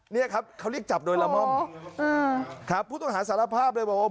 เนี่ยครับเขาเรียกจับโดยละม่อมครับผู้ต้องหาสารภาพเลยบอกว่า